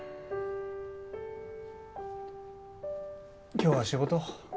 今日は仕事？